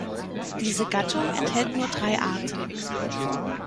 Diese Gattung enthält nur drei Arten.